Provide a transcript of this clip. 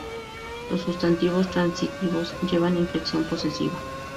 Los sustantivos transitivos llevan inflexión posesiva.